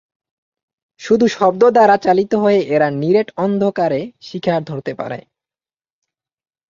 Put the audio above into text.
শুধু শব্দ দ্বারা চালিত হয়ে এরা নিরেট অন্ধকারে শিকার ধরতে পারে।